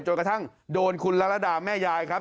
จนกระทั่งโดนคุณละระดาแม่ยายครับ